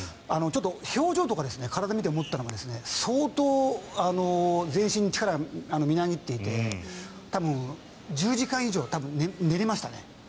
表情とか体を見て思ったのが相当、全身に力がみなぎっていて多分、１０時間以上寝れましたね。